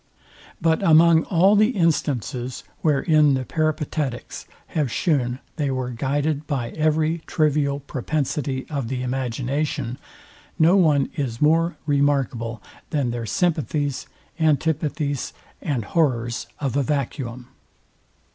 But among all the instances, wherein the Peripatetics have shewn they were guided by every trivial propensity of the imagination, no one is more remarkable than their sympathies, antipathies, and horrors of a vacuum.